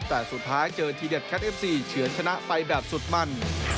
แต่สุดท้ายเจอทีเด็ดแคทเอฟซีเฉือนชนะไปแบบสุดมัน